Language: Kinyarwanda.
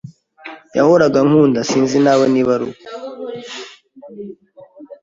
"Yahoraga ankunda."sinzi nawe niba aruko